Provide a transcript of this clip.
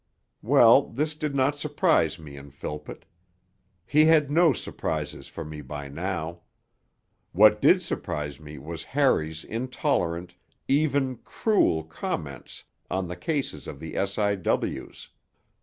Well, this did not surprise me in Philpott; he had no surprises for me by now. What did surprise me was Harry's intolerant, even cruel, comments on the cases of the S.I.W.'s.